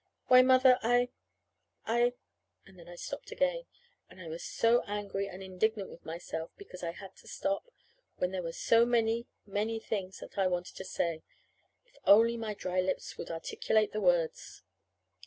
"Why, Mother, I I " And then I stopped again. And I was so angry and indignant with myself because I had to stop, when there were so many, many things that I wanted to say, if only my dry lips could articulate the words.